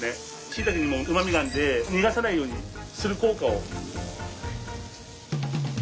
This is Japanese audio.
しいたけにもうまみがあるので逃がさないようにする効果を。